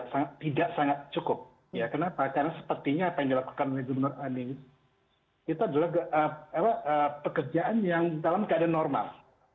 eh pak menurut saya tidak sangat cukup kenapa karena sepertinya apa yang dilakukan oleh jum'at anies kita adalah pekerjaan yang dalam keadaan normal